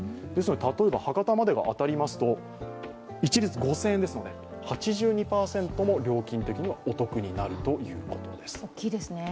例えば、博多までが当たりますと一律５０００円ですので８２％も料金的にはお得になるわけです。